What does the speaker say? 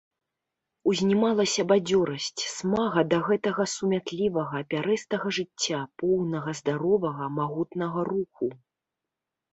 Узнімалася бадзёрасць, смага да гэтага сумятлівага, пярэстага жыцця, поўнага здаровага, магутнага руху.